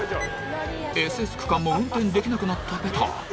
ＳＳ区間も運転できなくなったペター。